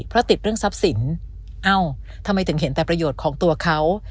เพราะติดเรื่องทรัพย์สินเอ้าทำไมถึงเห็นแต่ประโยชน์ของตัวเขา